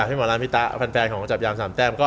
พี่หมอรันพี่ต๊าแฟนของจับยามสามแต้ม